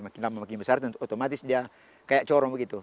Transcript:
makin lama makin besar otomatis dia kayak corong begitu